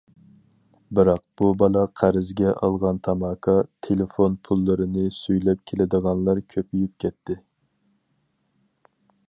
بىراق، بۇ بالا قەرزگە ئالغان تاماكا، تېلېفون پۇللىرىنى سۈيلەپ كېلىدىغانلار كۆپىيىپ كەتتى.